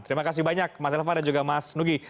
terima kasih banyak mas elvan dan juga mas nugi